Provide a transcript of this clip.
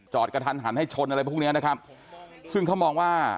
กระทันหันให้ชนอะไรพวกเนี้ยนะครับซึ่งเขามองว่า